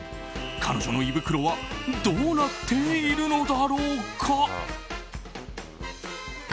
彼女の胃袋はどうなっているのだろうか。